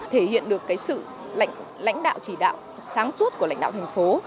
thể hiện được cái sự lãnh đạo chỉ đạo sáng suốt của lãnh đạo thành phố